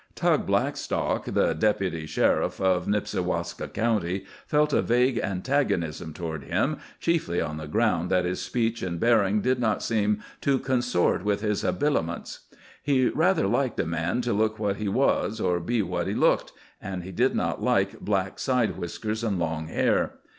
Tug Blackstock, the Deputy Sheriff of Nipsiwaska County, felt a vague antagonism toward him, chiefly on the ground that his speech and bearing did not seem to consort with his habiliments. He rather liked a man to look what he was or be what he looked, and he did not like black side whiskers and long hair.